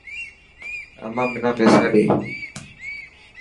امان منا پيسا ڏي.